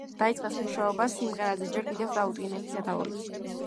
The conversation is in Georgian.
დაიწყეს მუშაობა სიმღერაზე ჯერ კიდევ დაუდგენელი სათაურით.